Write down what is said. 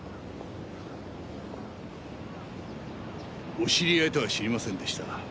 お知り合いとは知りませんでした。